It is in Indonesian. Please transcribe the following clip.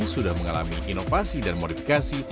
sudah mengalami inovasi dan modifikasi